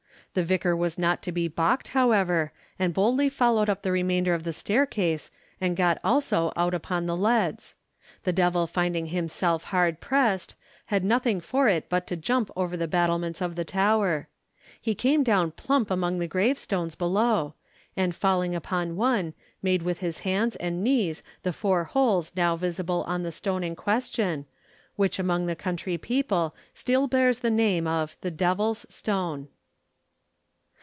The vicar was not to be balked, however, and boldly followed up the remainder of the staircase and got also out upon the leads. The devil finding himself hard pressed, had nothing for it but to jump over the battlements of the tower. He came down plump among the gravestones below, and falling upon one, made with his hands and knees the four holes now visible on the stone in question, which among the country people still bears the name of the Devil's Stone.